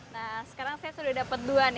nah sekarang saya sudah dapat dua nih